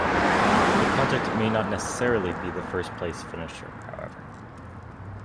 The project may not necessarily be the first-place finisher, however.